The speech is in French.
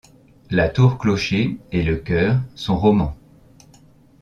La tour-clocher et le chœur sont romans.